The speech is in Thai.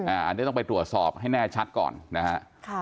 อันนี้ต้องไปตรวจสอบให้แน่ชัดก่อนนะฮะ